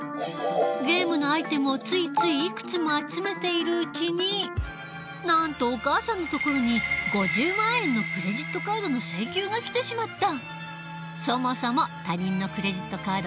ゲームのアイテムをついついいくつも集めているうちになんとお母さんのところに５０万円のクレジットカードの請求が来てしまった。